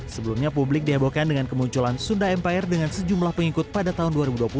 sebelumnya publik dihebohkan dengan kemunculan sunda empire dengan sejumlah pengikut pada tahun dua ribu dua puluh